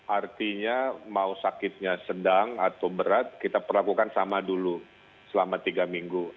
artinya mau sakitnya sedang atau berat kita perlakukan sama dulu selama tiga minggu